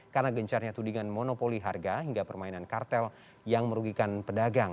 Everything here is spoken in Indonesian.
karena gencarnya tudingan monopoli harga hingga permainan kartel yang merugikan pedagang